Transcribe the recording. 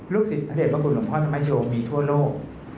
ศิษย์พระเด็จพระคุณหลวงพ่อธรรมชโยมีทั่วโลก